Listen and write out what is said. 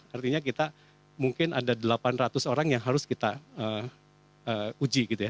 artinya kita mungkin ada delapan ratus orang yang harus kita uji gitu ya